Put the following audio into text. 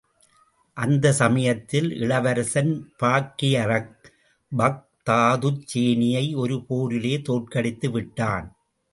அந்தச் சமயத்தில் இளவரசன் பார்க்கியருக், பாக்தாதுச் சேனையை ஒரு போரிலே தோற்கடித்து விட்டான்.